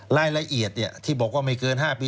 รายละเอียดที่บอกว่าไม่เกิน๕ปี